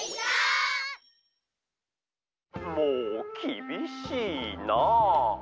「もうきびしいな」。